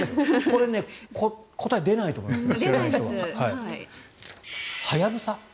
これは答えが出ないと思います。